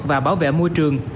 và bảo vệ môi trường